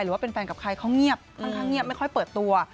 หรือว่าเป็นแฟนกับใครเขาเงียบค่อนข้างเงียบไม่ค่อยเปิดตัว